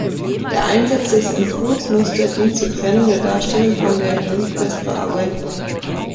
Der Einsatz des Entwurfsmuster dient zur Trennung der Darstellung von der Request-Verarbeitung.